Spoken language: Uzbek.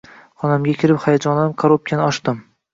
Xonamga kirib, hayajonlanib karobkani ochdim.